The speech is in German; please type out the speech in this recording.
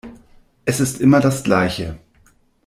Es ist immer das Gleiche.